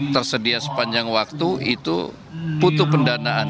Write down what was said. tersedia sepanjang waktu itu butuh pendanaan